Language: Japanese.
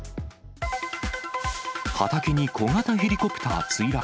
畑に小型ヘリコプター墜落。